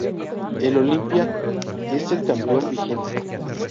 El Olimpia es el campeón vigente.